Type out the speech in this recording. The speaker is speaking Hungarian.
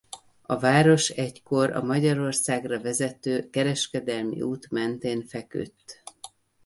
A város egykor a Magyarországra vezető kereskedelmi út mentén feküdt.